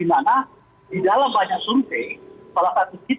dimana di dalam banyak suntik